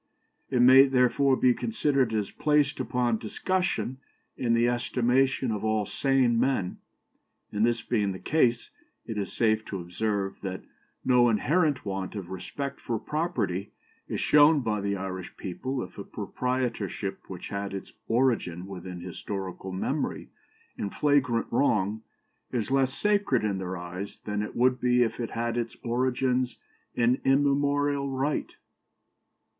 It may, therefore, be considered as placed upon discussion in the estimation of all sane men; and, this being the case, it is safe to observe that no inherent want of respect for property is shown by the Irish people if a proprietorship which had its origin within historical memory in flagrant wrong is less sacred in their eyes than it would be if it had its origin in immemorial right."